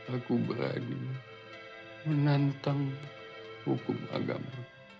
aku berani menantang hukum agama